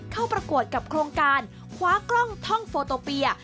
ประกวดกับโครงการคว้ากล้องท่องโฟโตเปีย